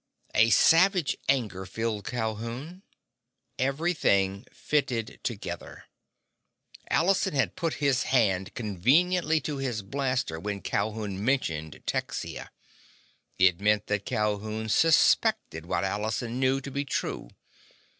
A savage anger filled Calhoun. Everything fitted together. Allison had put his hand convenient to his blaster when Calhoun mentioned Texia. It meant that Calhoun suspected what Allison knew to be true.